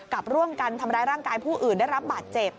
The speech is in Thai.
ร่วมกันทำร้ายร่างกายผู้อื่นได้รับบาดเจ็บ